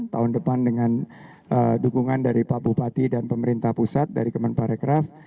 tahun depan dengan dukungan dari pak bupati dan pemerintah pusat dari kemenparekraf